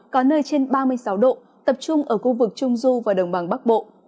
có nơi trên ba mươi sáu độ tập trung ở khu vực trung du và đồng bằng bắc bộ